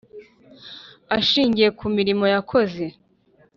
ishingiye ku mirimo yakoze